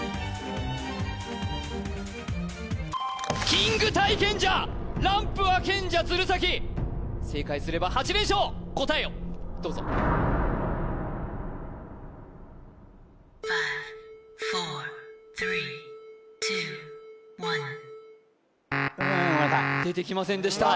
キング対賢者ランプは賢者鶴崎正解すれば８連勝答えをどうぞ出てきませんでした